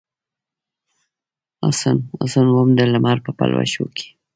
حسن ، حسن وم دلمر په پلوشو کې